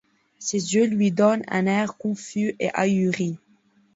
Ses yeux lui donnent un air confus et ahuri.